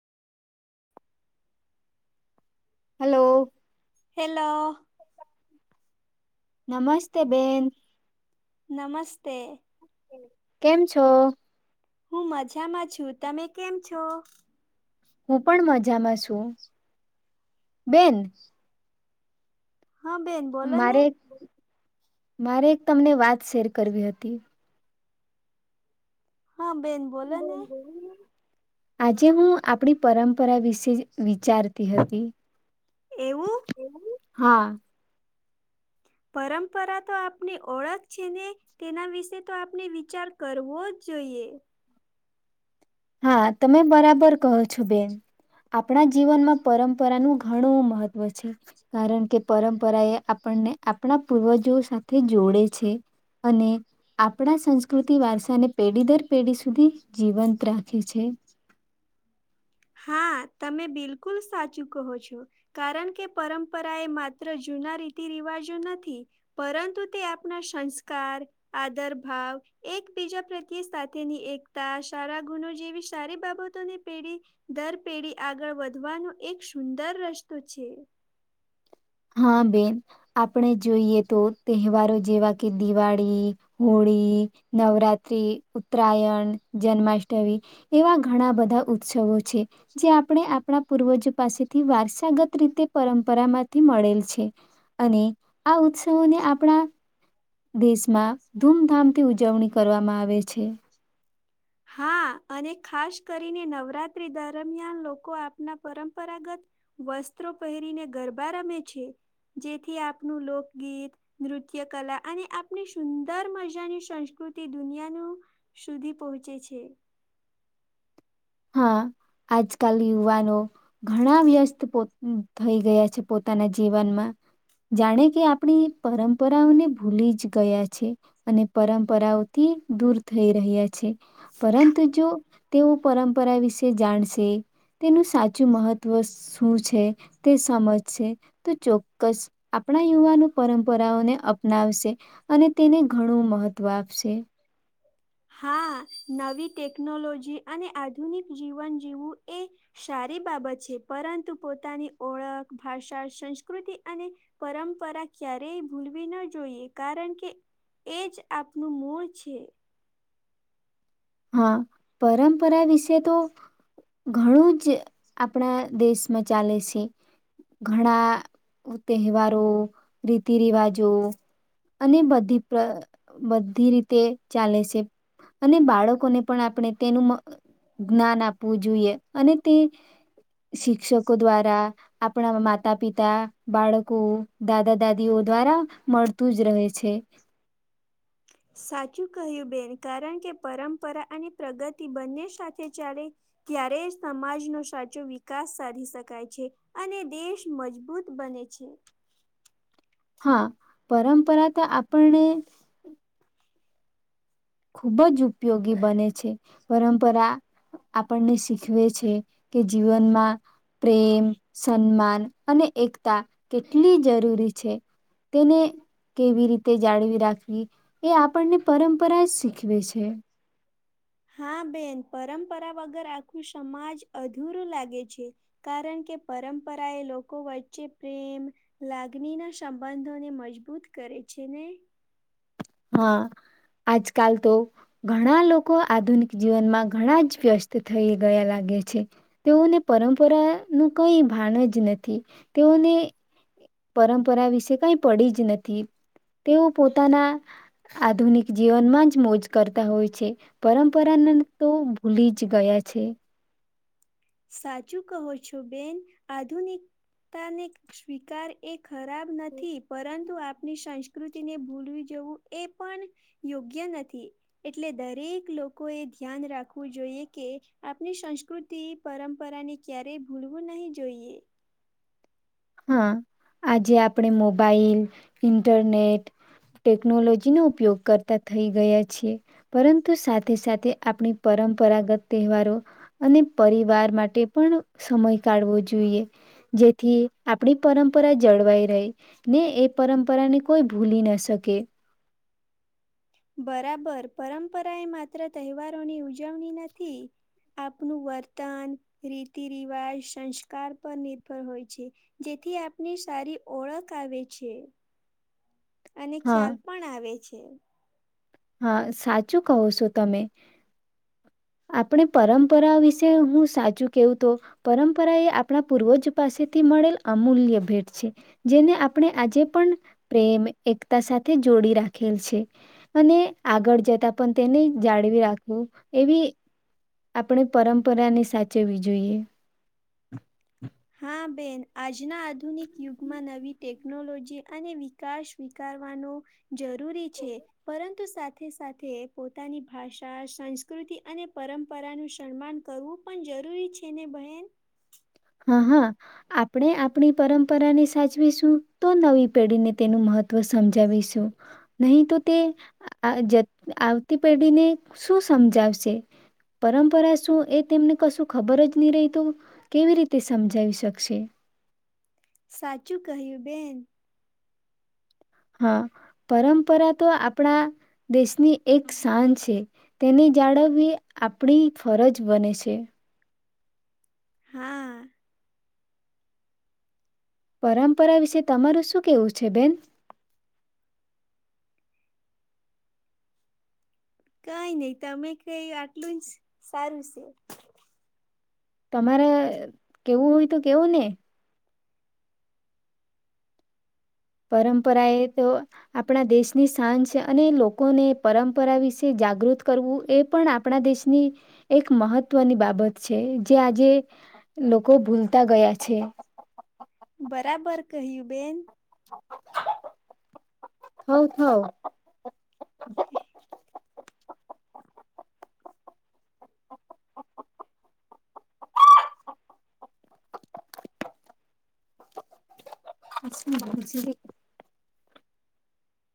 Hello hello નમસ્તે, બેન. નમસ્તે કેમ છો? હું મજામાં છું. તમે કેમ છો? હું પણ મજામાં છું, બેન. હા બેન, બોલો ને મારે મારે એક તમને વાત શેર કરવી હતી. હા બેન બોલો ને આજે હું આપણી પરંપરા વિશે વિચારતી હતી. એવું હા. પરંપરા તો આપની ઓળખ છે ને તેના વિશે તો આપણે વિચાર કરવો જ જોઈએ. હા તમે બરાબર કહો છો બેન આપણા જીવનમાં પરંપરાનું ઘણું મહત્ત્વ છે કારણ કે પરંપરા એ આપણને આપણા પૂર્વજો સાથે જોડે છે અને આપણા સંસ્કૃતિ વારસાને પેઢી દર પેઢી સુધી જીવંત રાખે રાખે છે. હા તમે બિલકુલ સાચું કહો છો કારણ કે પરંપરા એ માત્ર જૂના રીતિ રિવાજો નથી પરંતુ તે આપણા સંસ્કાર આદર ભાવ એકબીજા પ્રત્યે સાથેની એકતા સારા ગુણો જેવી સારી બાબતોની પેઢી દર પેઢી આગળ વધવાનો એક સુંદર રસ્તો છે હા બેન આપણે જોઈએ તો તહેવારો જેવા કે દિવાળી હોળી નવરાત્રી ઉત્તરાયણ જન્માષ્ટમી એવા ઘણા બધા ઉત્સવો છે જે આપણે આપણા પૂર્વજો પાસેથી વારસાગત રીતે પરંપરામાં થી મળેલ છે અને આ ઉત્સવોને આપણા દેશમાં ધૂમધામથી ઉજવણી કરવામાં આવે છે હા અને ખાસ કરીને નવરાત્રી દરમિયાન લોકો આપના પરંપરાગત વસ્ત્રો પહેરીને ગરબા રમે છે જેથી આપનું લોકગીત નૃત્ય કલા અને આપની સુંદર મજાની સંસ્કૃતિ દુનિયાનું સુધી પહોચી પૂચે છે. હા આજકાલ યુવાનો ઘણા વ્યસ્ત થઈ ગયા છે પોતાના જીવનમાં, જાણે કે આપણી પરંપરાઓને ભૂલી જ ગયા છે, અને પરંપરાઓથી દૂર થઈ રહ્યા છે, પરંતુ જો તેઓ પરં. પરપરા વિશે જાણશે, તેનું સાચું મહત્વ શું છે, તે સમજશે, તો ચોક્કસ આપણા યુવાનો પરંપરાઓને અપનાવશે, અને તેને ઘણું મહત્વ આપશે. હા નવી ટેકનોલોજી અને આધુનિક જીવન જીવવું એ, સારી બાબત છે પરંતુ પોતાની ઓળખ, ભાષા, સંસ્કૃતિ અને, પરંપરા ક્યારેય ભૂલવી ન જોઈએ કારણ કે એ જ આપનું મૂળ છે. હા પરંપરા વિશે તો ઘણું જ આપણા દેશમાં ચાલે છે, ઘણા તહેવારો, રીતિ રિવાજો અને બધી બધી રીતે ચાલે છે, અને બાળકો. ને પણ આપણે તેનું જ્ઞાન આપવું જોઈએ અને તે, શિક્ષકો દ્વારા આપણા માતા પિતા, બાળકો, દાદા દાદીઓ દ્વારા મળતું જ રહે છે. સાચું કહ્યું બેન કારણ કે પરંપરા અને પ્રગતિ બંને સાથે ચાલે, ત્યારે સમાજનો સાચો વિકાસ સાધી શકાય છે, અને દેશ મજબૂત બને છે. હા પરંપરા તો આપણને. ખૂબ જ ઉપયોગી બને છે, પરંપરા આપણને શીખવે છે, કે જીવનમાં પ્રેમ, સન્માન અને એકતા કેટલી જરૂરી છે, તેને કેવી રીતે જાળવી રાખવી, એ આપણને પરંપરા. સીખવેે છે. હા બેન પરંપરા વગર આખું સમાજ અધૂરું લાગે છે, કારણ કે પરંપરા એ લોકો વચ્ચે પ્રેમ લાગણી ના સંબંધોને મજબૂત કરે છે ને. હા, આજકાલ તો ઘણા લોકો આધુનિક જીવનમાં ઘણા જ વ્યસ્ત થઈ ગયા લાગે છે, તેઓને પરંપરાનું કઈ ભાન જ નથી. તેઓને પરંપરા વિશે કઈ પડી જ નથી, તેઓ પોતાના આધુનિક જીવનમાં જ મોજ કરતા હોય છે, પરંપરાને તો ભૂલી જ ગયા છે. સાચું કહો છો બેન, આધુનિકતાને સ્વીકાર એક ખરાબ નથી. પરંતુ આપ ની સંસ્કૃતિ ને ભૂલવી જવું એ પણ યોગ્ય નથી, એટલે દરેક લોકો એ ધ્યાન રાખવું જોઈએ કે આપણી સંસ્કૃતિ પરંપરાને ક્યારેય ભૂલવું નહીં જોઈએ. હા, આજે આપણે મોબાઈલ, ઇન્ટરનેટ, ટેકનોલોજીનો ઉપયોગ કરતાં થઈ ગયા છીએ, પરંતુ સાથે સાથે આપણી પરંપરાગત તહેવારો, અને પરિવાર માટે પણ સમય કાઢવો જોઈએ. જેથી આપણી પરંપરા જળવાઈ રહે, ને એ પરંપરાને કોઈ ભૂલી ના શકે. બરાબર, પરંપરા એ માત્ર તહેવારોની ઉજવણી નથી, આપનું વર્તન, રીતિ રિવાજ, સંસ્કાર પર નિર્ભર હોય છે, જેથી આપની સારી ઓળખ આવે છે. અને હા ખ્યાલ પણ આવે છે. એ હા સાચું કહો છો તમે. આપણે પરંપરા વિશે હું સાચું કેવું તો, પરંપરા એ આપણા પૂર્વજ પાસેથી મળેલ અમૂલ્ય ભેટ છે, જેને આપણે આજે પણ પ્રેમ એકતા સાથે જોડી રાખેલ છે, અને આગળ જતા પણ તેને જાળવી રાખવું એવી આપણી પરંપરાને સાચવવી જોઈએ. હા બેન આજ આજના આધુનિક યુગમાં નવી ટેકનોલોજી અને વિકાસ સ્વીકારવાનો જરૂરી છે, પરંતુ સાથે સાથે પોતાની ભાષા, સંસ્કૃતિ અને પરંપરાનું સન્માન કરવું પણ જરૂરી છે ને બહેન. હા હા, આપણે આપણી પરંપરાને સાચવીશું તો નવી પેઢીને તેનું મહત્વ સમજાવીશું, નહીં તો તે આ જ આવતી પેઢીને શું સમજાવશે, પરંપરા શું એ તેમને કશું ખબર જ નહી રહે, તો કેવી રીતે તે સમજાવી શકશે. સાચું કહ્યું બેન. હા, પરંપરા તો આપણા દેશની એક શાન છે, તેની જાળવવી આપણી ફરજ બને છે. હા. પરંપરા વિશે તમારું શું કેવું છે બેન? કઈ નહીં તમે કેય આટલું જ સારું સે. તમારે કેવું હોય તો કેવું ને? પરંપરા એતો આપણા દેશની સાન છે અને લોકોને પરંપરા વિશે જાગૃત કરવું એ પણ આપણા દેશની એક મહત્વની બાબત છે જે આજે લોકો ભૂલતા ગયા છે. બરાબર કહ્યું બેન. [inaudible] થવ થાવ હ [unintelligible] અજ [unintelligible]